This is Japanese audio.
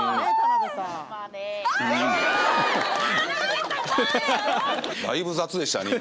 だいぶ雑でしたね